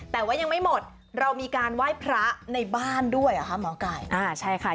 แต่ว่ายังไม่หมดเรามีการไหว้พระในบ้านด้วยเหรอคะหมอไก่อ่าใช่ค่ะ